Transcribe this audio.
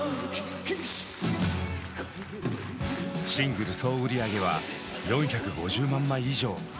シングル総売上は４５０万枚以上。